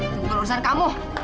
tunggu urusan kamu